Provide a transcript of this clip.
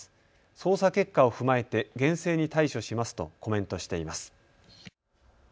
捜査結果を踏まえて厳正に対処しますとコメントしています。